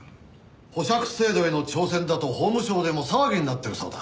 保釈制度への挑戦だと法務省でも騒ぎになってるそうだ。